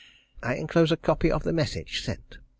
I enclose a copy of the message sent.